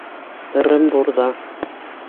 Ырымбурҙа.